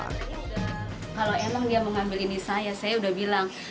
kalau emang dia mengambil ini saya saya sudah bilang